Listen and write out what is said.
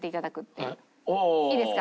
いいですか？